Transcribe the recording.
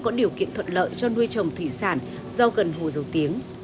có điều kiện thuận lợi cho nuôi trồng thủy sản do gần hồ dầu tiếng